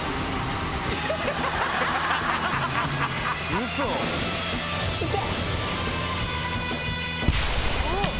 ウソ⁉いけ！